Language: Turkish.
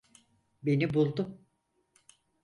Beni buldu.